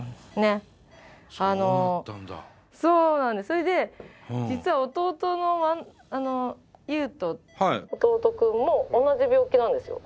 それで実は弟のユウト弟君も同じ病気なんですよ。